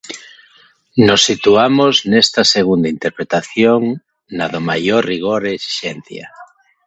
Nós situámonos nesta segunda interpretación, na do maior rigor e esixencia.